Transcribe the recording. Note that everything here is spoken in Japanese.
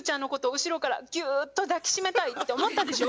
後ろからぎゅっと抱き締めたいって思ったでしょ？